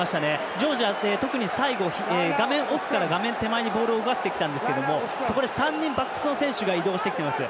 ジョージア、特に最後奥から画面手前にボールを動かしてきたんですがそこで、３人バックスの選手が移動してきてます。